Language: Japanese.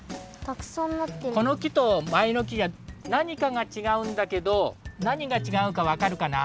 このきとまえのきじゃなにかがちがうんだけどなにがちがうかわかるかな？